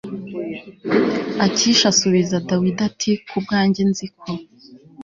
Akishi asubiza Dawidi ati Ku bwanjye nzi ko